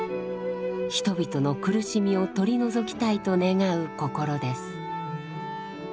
人々の苦しみを取り除きたいと願う心です。